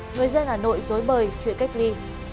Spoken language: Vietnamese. người dân hà nội dối bời chuyện cách ly